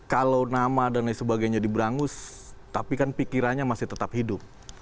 kalau nama dan lain sebagainya diberangus tapi kan pikirannya masih tetap hidup